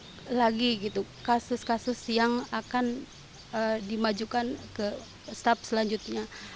ada lagi gitu kasus kasus yang akan dimajukan ke staf selanjutnya